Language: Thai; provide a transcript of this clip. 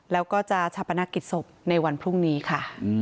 แล้วก็จะชาปนกิจศพในวันพรุ่งนี้ค่ะ